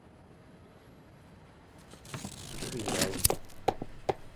تو بدراگ این۔